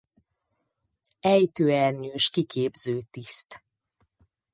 Ejtőernyős kiképző tiszt.